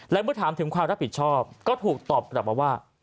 และเมื่อถามถึงความรับผิดชอบก็ถูกตอบกลับมาว่า